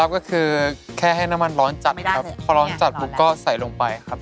พอร้องจัดผมก็ใส่ลงไปครับ